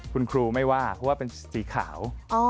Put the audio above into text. คุณครูไม่ว่าเพราะว่าเป็นสีขาว